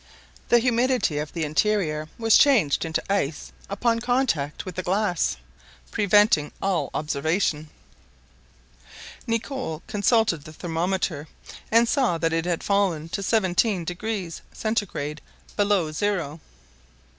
The humidity of the interior was changed into ice upon contact with the glass, preventing all observation. Nicholl consulted the thermometer, and saw that it had fallen to seventeen degrees (Centigrade) below zero.